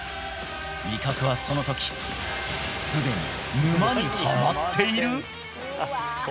味覚はその時すでに沼にハマっている！？